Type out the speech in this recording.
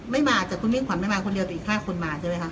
ไม่มาแต่คุณมิ่งขวัญไม่มาคนเดียวแต่อีก๕คนมาใช่ไหมคะ